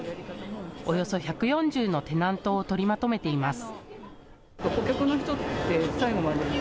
およそ１４０のテナントを取りまとめています。